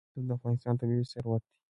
رسوب د افغانستان طبعي ثروت دی.